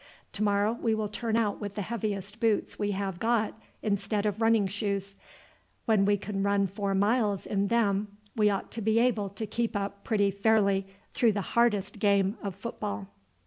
To morrow we will turn out with the heaviest boots we have got instead of running shoes. When we can run four miles in them, we ought to be able to keep up pretty fairly through the hardest game of football."